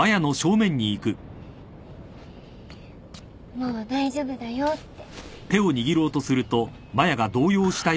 もう大丈夫だよって。